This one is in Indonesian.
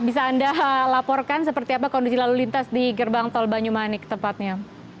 bisa anda laporkan seperti apa kondisi lalu lintas di gerbang tol banyumanik tepatnya